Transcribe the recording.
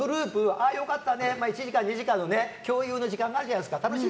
ああ、良かったねって１時間、２時間の共有の時間が楽しいじゃないですか。